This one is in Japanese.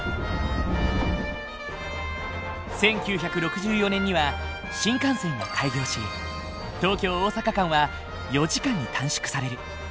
１９６４年には新幹線が開業し東京大阪間は４時間に短縮される。